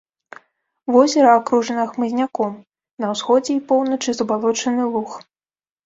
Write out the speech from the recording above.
Возера акружана хмызняком, на ўсходзе і поўначы забалочаны луг.